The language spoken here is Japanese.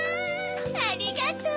ありがとう。